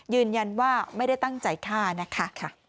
ยืนยันว่าไม่ได้ตั้งใจฆ่านะคะ